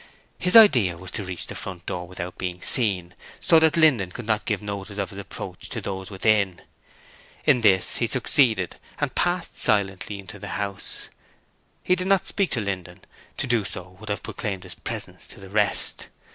His idea was to reach the front door without being seen, so that Linden could not give notice of his approach to those within. In this he succeeded and passed silently into the house. He did not speak to Linden; to do so would have proclaimed his presence to the rest.